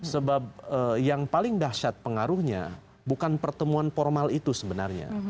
sebab yang paling dahsyat pengaruhnya bukan pertemuan formal itu sebenarnya